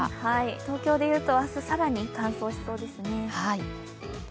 東京でいうと明日更に乾燥しそうですね。